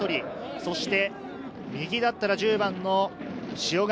そして右だったら１０番の塩貝。